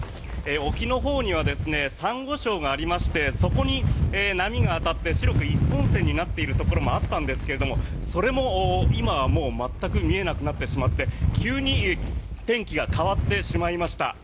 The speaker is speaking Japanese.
沖のほうにはサンゴ礁がありましてそこに波が当たって白く１本線になっているところもあったんですがそれも今はもう全く見えなくなってしまって急に天気が変わってしまいました。